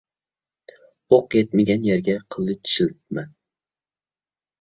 ئوق يەتمىگەن يەرگە قېلىچ شىلتىمە.